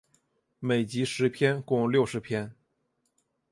每集十篇共六十篇。